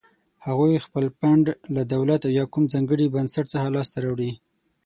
هغوی خپل فنډ له دولت او یا کوم ځانګړي بنسټ څخه لاس ته راوړي.